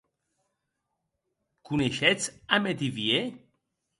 Coneishetz a Metivier?